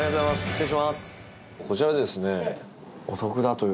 失礼します。